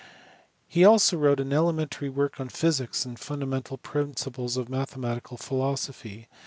He also wrote an elementary work on physics and the fundamental principles of mathematical philosophy.